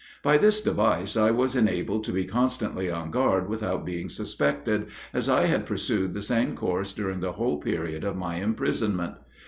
By this device I was enabled to be constantly on guard without being suspected, as I had pursued the same course during the whole period of my imprisonment.